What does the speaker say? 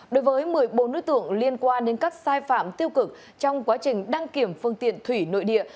đối với một mươi bốn nối tượng liên quan đến các sai phạm tiêu cực trong quá trình đăng kiểm phương tiện thủy nội địa